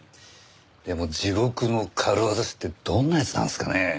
でも地獄の軽業師ってどんな奴なんですかね？